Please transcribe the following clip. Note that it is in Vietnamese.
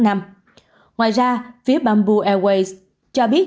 ngoài ra phía bamboo airways cho biết